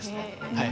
はい。